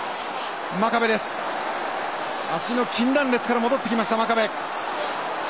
真壁です足の筋断裂から戻ってきました真壁。